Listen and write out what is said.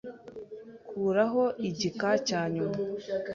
Kuraho igika cya nyuma.